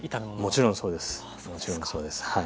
もちろんそうです。